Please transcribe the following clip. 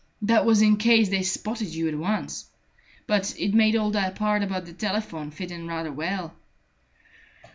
That was in case they spotted you at once. But it made all that part about the telephone fit in rather well."